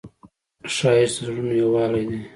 ښایست د زړونو یووالی دی